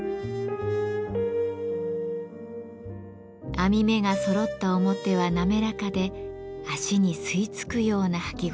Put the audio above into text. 網目がそろった表は滑らかで足に吸い付くような履き心地。